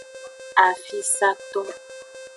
Afisato.